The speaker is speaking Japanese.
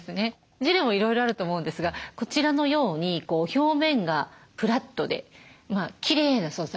ジレもいろいろあると思うんですがこちらのように表面がフラットできれいな素材ですね。